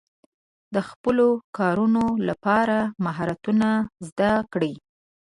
د خپلو کارونو لپاره مهارتونه زده کړئ.